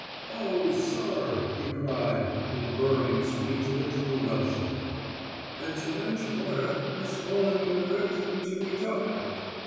"Oh, sirrh," he cried, in the burring speech of a true Welshman. "A terench mohrterh hass fall en ericht in ter me duck out."